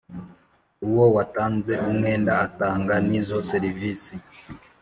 uwo watanze umwenda atanga n izo serivisi